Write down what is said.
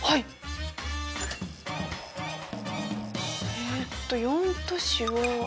えっと４都市は。